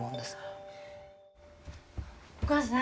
お母さん